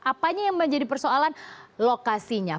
apanya yang menjadi persoalan lokasinya